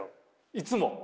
いつも。